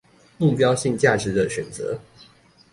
目標性價值的選擇